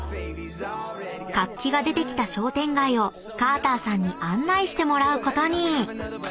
［活気が出てきた商店街をカーターさんに案内してもらうことに］